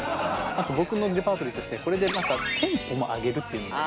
あと僕のレパートリーとしてこれでテンポも上げるっていうのも。